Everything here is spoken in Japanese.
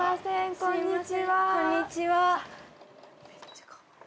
こんにちは。